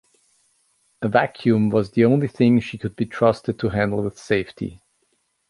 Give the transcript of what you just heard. A vacuum was the only thing she could be trusted to handle with safety.